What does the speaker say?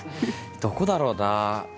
どこだろうな。